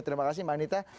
terima kasih mbak anita